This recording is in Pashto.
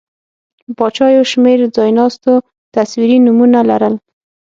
پاچا یو شمېر ځایناستو تصویري نومونه لرل.